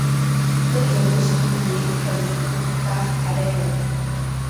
D'autres journaux sont publiés comme ' ou ' par à Berlin.